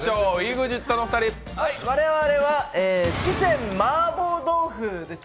我々は四川マーボー豆腐です。